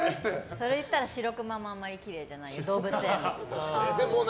それ言ったら、シロクマもあんまりきれいじゃない動物園の。